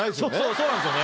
そうなんですよね。